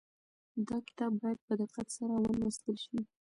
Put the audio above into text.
دا کتاب باید په دقت سره ولوستل شي.